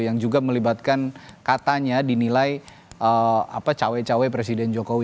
yang juga melibatkan katanya dinilai cawe cawe presiden jokowi